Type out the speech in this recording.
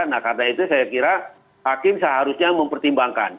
nah karena itu saya kira hakim seharusnya mempertimbangkan